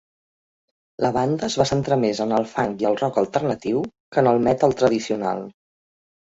La banda es va centrar més en el funk i el rock alternatiu que en el metall tradicional.